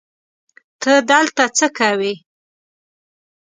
ته دلته څه کوې؟